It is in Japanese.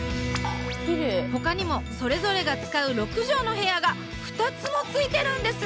ほかにもそれぞれが使う６畳の部屋が２つもついてるんです！